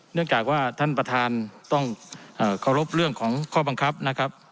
เนื่องจากว่าท่านประธานต้องเคารพเรื่องของข้อบังคับนะครับ